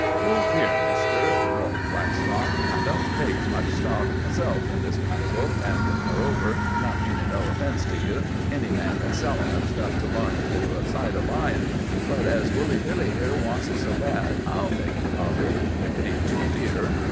"Look here, mister," drawled Blackstock. "I don't take much stock myself in those kind of books, an' moreover (not meanin' no offence to you), any man that's sellin' 'em has got to larn to do a sight o' lyin'. But as Woolly Billy here wants it so bad I'll take a copy, if 'tain't too dear.